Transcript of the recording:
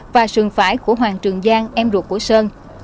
và sườn phải của hoàng trường giang em ruột của sơn